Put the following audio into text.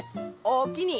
おおきに。